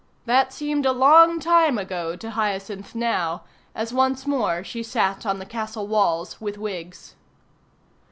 That seemed a long time ago to Hyacinth now, as once more she sat on the castle walls with Wiggs.